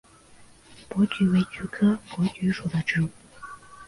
珀菊为菊科珀菊属的植物。